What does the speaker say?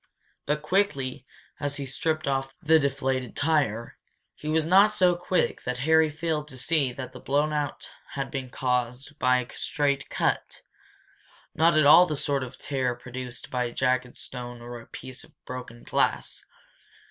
But, quickly as he stripped off the deflated tire, he was not so quick that Harry failed to see that the blow out had been caused by a straight cut not at all the sort of tear produced by a jagged stone or a piece of broken glass.